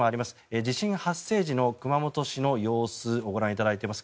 地震発生時の熊本市の様子です。